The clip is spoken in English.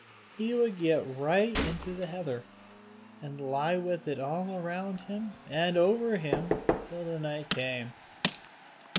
He would get right into the heather, and lie with it all around and over him till the night came.